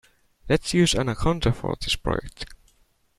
Let's use Anaconda for this project.